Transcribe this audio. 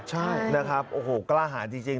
ใช่นะครับโอ้โหกล้าหาจริง